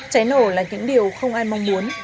cháy nổ là những điều không ai mong muốn